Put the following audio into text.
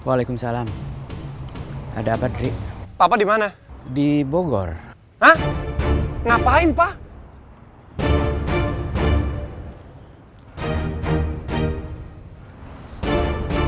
apa waalaikumsalam ada apa drik papa dimana di bogor ngapain pak